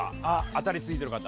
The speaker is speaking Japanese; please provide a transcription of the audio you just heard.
当たりついてる方。